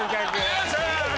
よっしゃ！